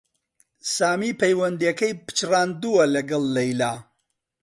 سامی پەیوەندییەکەی پچڕاندووە لەگەڵ لەیلا